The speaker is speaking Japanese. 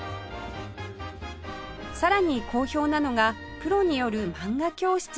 さらに好評なのがプロによる漫画教室